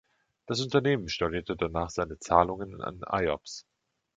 Das Unternehmen stornierte danach seine Zahlungen an Iops.